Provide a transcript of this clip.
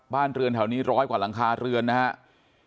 บ้านเรือนแถวนี้ร้อยกว่าหลังคาเรือนนะครับ